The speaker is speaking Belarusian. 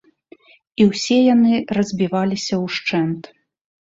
І ўсе яны разбіваліся ўшчэнт.